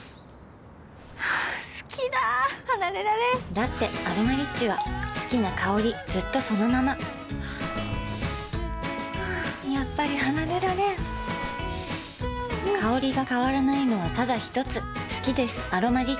好きだ離れられんだって「アロマリッチ」は好きな香りずっとそのままやっぱり離れられん香りが変わらないのはただひとつ好きです「アロマリッチ」